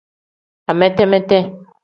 Amete-mete.